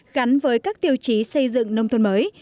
gắn với các tiêu chí xây dựng nông thôn mới